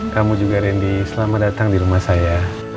kamu juga randy selamat datang di rumah saya